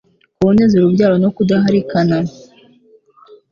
kuboneza urubyaro no kudaharikana